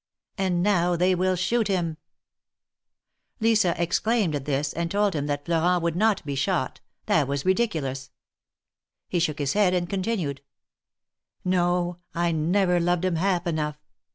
And now they will shoot him !" Lisa exclaimed at this, and told him that Florent would not be shot — that was ridiculous. He shook his head, and continued: "No, I never loved him half enough.